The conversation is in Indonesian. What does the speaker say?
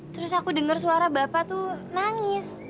terus aku dengar suara bapak tuh nangis